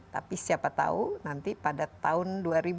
tapi siapa tahu nanti pada tahun dua ribu dua puluh